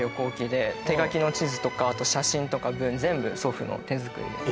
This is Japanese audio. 手描きの地図とかあと写真とか文全部祖父の手作りらしくて。